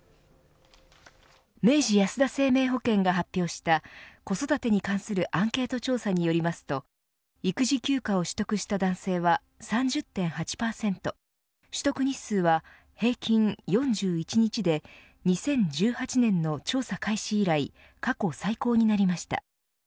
明治安田生命保険が発表した子育てに関するアンケート調査によりますと育児休暇を取得した男性は３０．８％取得日数は平均４１日で２０１８年の調査開始以来過去最高になりました。